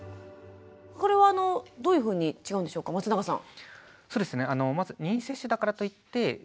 これはどういうふうに違うんでしょうか松永さん。